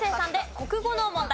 国語の問題。